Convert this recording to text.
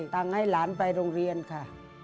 ตังค์ให้หลานไปโรงเรียนค่ะ